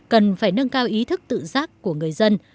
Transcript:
cần phải nâng cao ý thức tự giác của người dân